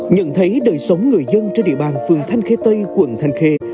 nhận thấy đời sống người dân trên địa bàn phường than khế tây quận than khế